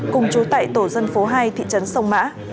cùng chú tại tổ dân phố hai thị trấn sông mã